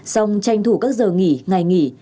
song tranh thủ các giờ nghỉ ngày nghỉ